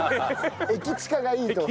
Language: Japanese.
駅近がいいと。